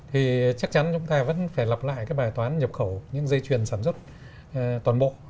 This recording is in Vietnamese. thì chắc chắn chúng ta vẫn phải lặp lại cái bài toán nhập khẩu những dây chuyền sản xuất toàn bộ